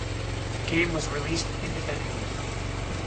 The game was released independently.